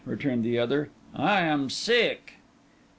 returned the other. 'I am sick.